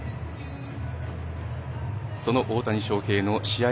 その大谷翔平の試合